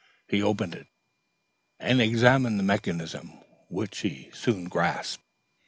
He opened it and examined the mechanism, which he soon grasped.